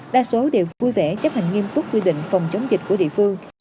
đa số đều vui vẻ chấp hành nghiêm túc quy định phòng chống dịch của địa phương